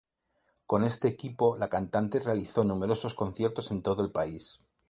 Con este equipo la cantante realizó numerosos conciertos en todo el país.